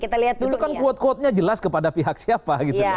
itu kan quote quote nya jelas kepada pihak siapa